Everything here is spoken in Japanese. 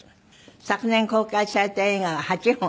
昨年公開された映画は８本。